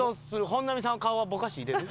本並さんの顔はぼかし入れる？